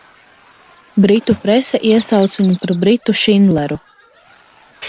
"Britu prese iesauca viņu par "Britu Šindleru"."